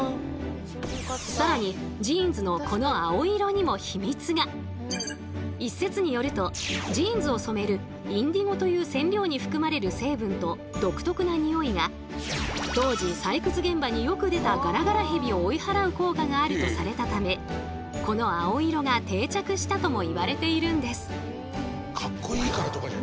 更に一説によるとジーンズを染めるインディゴという染料に含まれる成分と独特なニオイが当時採掘現場によく出たガラガラヘビを追い払う効果があるとされたためこの青色が定着したともいわれているんです。